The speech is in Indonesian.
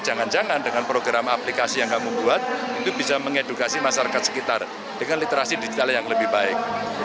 jangan jangan dengan program aplikasi yang kamu buat itu bisa mengedukasi masyarakat sekitar dengan literasi digital yang lebih baik